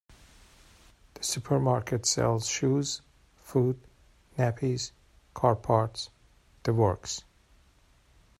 This supermarket sells shoes, food, nappies, car parts... the works!.